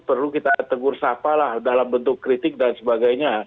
perlu kita tegur sapa lah dalam bentuk kritik dan sebagainya